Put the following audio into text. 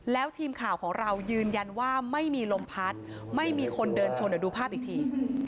แล้วทีมข่าวของเรายืนยันว่าไม่มีลมพัดไม่มีคนเดินชนเดี๋ยวดูภาพอีกที